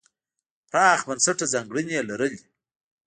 پراخ بنسټه ځانګړنې یې لرلې.